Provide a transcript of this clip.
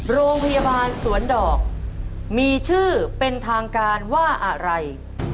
โรงพยาบาลสวนดอกมีชื่อเป็นทางการว่าอะไร